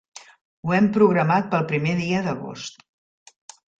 Ho hem programat pel primer dia d'agost.